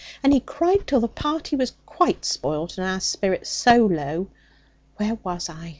And he cried till the party was quite spoilt, and our spirits so low. Where was I?